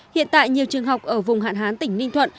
hiện tại nhiều trường học ở vùng hạn hán tỉnh ninh thuận